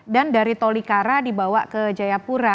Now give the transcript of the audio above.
dan dari tolikara dibawa ke jayapura